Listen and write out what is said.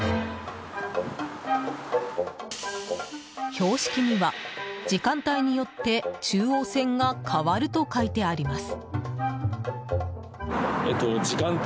標識には、時間帯によって中央線が変わると書いてあります。